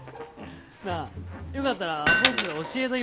なあよかったら僕が教えたぎょうか。